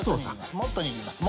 もっと握ります！